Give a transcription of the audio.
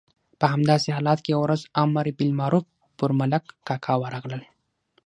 په همداسې حالت کې یوه ورځ امر بالمعروف پر ملک کاکا ورغلل.